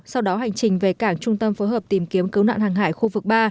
sau đó hành trình về cảng trung tâm phối hợp tìm kiếm cứu nạn hàng hải khu vực ba